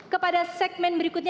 kepada segmen berikutnya